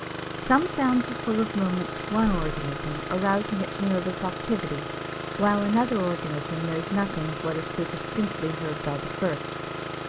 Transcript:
Some sounds are full of moment to one organism arousing it to nervous activity while another organism knows nothing of what is so distinctly heard by the first.